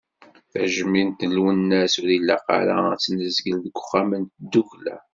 Tajmilt n Lwennas ur ilaq ara ad tt-nezgel deg uxxam n tdukkla.